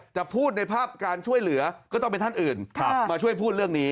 จะพูดในภาพการช่วยเหลือก็ต้องเป็นท่านอื่นมาช่วยพูดเรื่องนี้